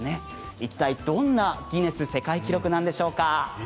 一体どんなギネス世界記録なんでしょうか。